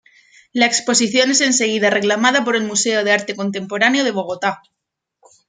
La exposición es enseguida reclamada por el Museo de Arte Contemporáneo de Bogotá.